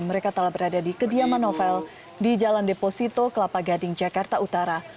mereka telah berada di kediaman novel di jalan deposito kelapa gading jakarta utara